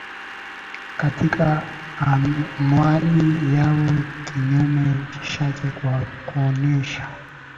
katika anwani yao Kinyume chake kwa kuonyesha